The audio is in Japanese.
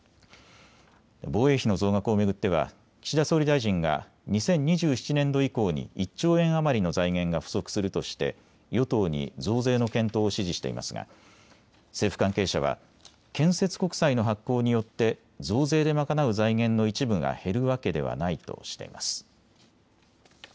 防衛費の増額を巡っては岸田総理大臣が２０２７年度以降に１兆円余りの財源が不足するとして与党に増税の検討を指示していますが政府関係者は、建設国債の発行によって増税で賄う財源の一部が減るわけではないとしています。